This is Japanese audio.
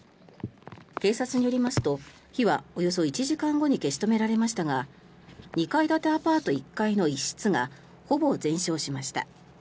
警察によりますと火はおよそ１時間後に消し止められましたが２階建てアパート１階の一室がほぼ全焼しました。